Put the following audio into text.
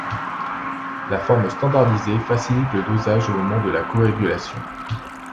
La forme standardisée facilite le dosage au moment de la coagulation.